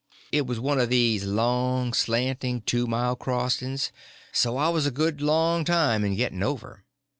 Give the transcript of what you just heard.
It was one of these long, slanting, two mile crossings; so I was a good long time in getting over.